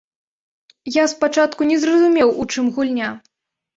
Я спачатку не зразумеў, у чым гульня.